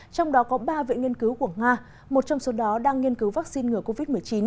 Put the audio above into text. trong đó có ba viện nghiên cứu của nga một trong số đó đang nghiên cứu vaccine ngừa covid một mươi chín